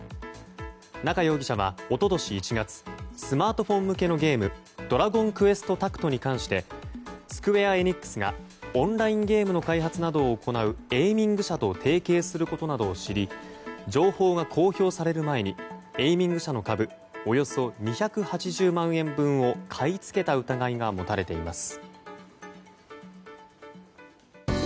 中容疑者は一昨年１月スマートフォン向けのゲーム「ドラゴンクエストタクト」に関してスクウェア・エニックスがオンラインゲームの開発などを行うＡｉｍｉｎｇ社と提携することなどを知り情報が公表される前にＡｉｍｉｎｇ社の株およそ２８０万円分を買い付けた疑いが持たれています。